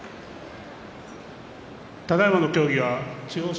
ただいまの協議は千代翔